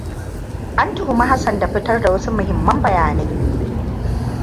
An tuhumi Hassan da fitar da wasu muhimman bayanai.